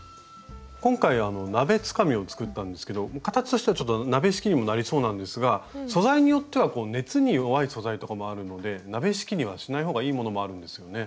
今回は鍋つかみを作ったんですけど形としてはちょっと鍋敷きにもなりそうなんですが素材によっては熱に弱い素材とかもあるので鍋敷きにはしない方がいいものもあるんですよね？